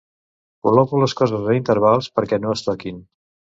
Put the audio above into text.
Col·loco les coses a intervals perquè no es toquin.